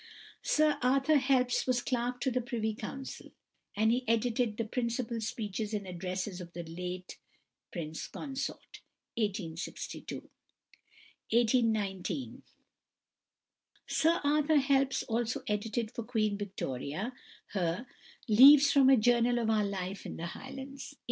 Sir Arthur Helps was Clerk to the Privy Council, and he edited the "Principal Speeches and Addresses of the late Prince Consort" (1862). Sir Arthur Helps also edited for =Queen Victoria (1819 )= her "Leaves from a Journal of our Life in the Highlands" (1868).